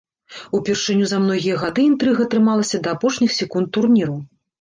Упершыню за многія гады інтрыга трымалася да апошніх секунд турніру!